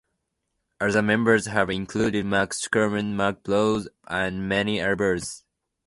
Other members have included Mark Schulman, Mark Browne, and Manny Alvarez.